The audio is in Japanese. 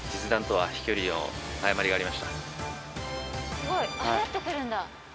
すごいああやって来るんだ。